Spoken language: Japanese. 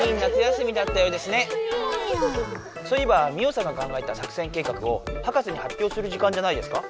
そういえばミオさんが考えた作戦計画を博士に発表する時間じゃないですか？